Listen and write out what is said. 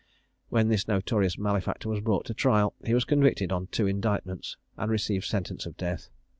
When this notorious malefactor was brought to trial, he was convicted on two indictments, and received sentence of death.